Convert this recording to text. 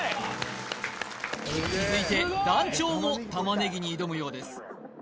続いて団長もタマネギに挑むようです